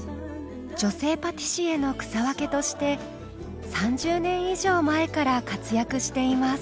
女性パティシエの草分けとして３０年以上前から活躍しています。